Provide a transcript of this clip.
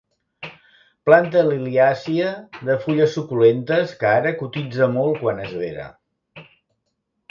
Planta liliàcia de fulles suculentes, que ara cotitza molt quan és vera.